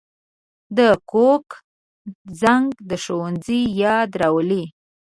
د کوکو زنګ د ښوونځي یاد راولي